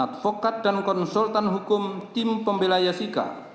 advokat dan konsultan hukum tim pembelai yasika